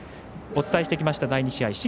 お伝えしてきました第２試合